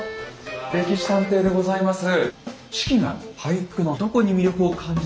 「歴史探偵」でございます。